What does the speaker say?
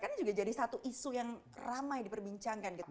kan ini juga jadi satu isu yang ramai diperbincangkan gitu pak